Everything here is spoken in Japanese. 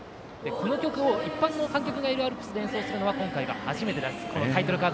この曲を一般の観客がいるアルプスで演奏するのは今回が初めてです。